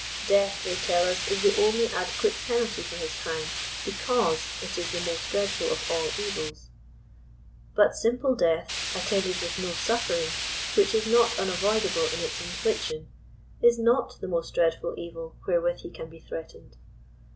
Death, they tell us, is the only adequate penalty for his crime, because it is the most dreadful of all evils.'* But simple death, attended with no suffering which is not unavoid' able in its infliction, is not the most dreadful evil wherewith he tan be threatened.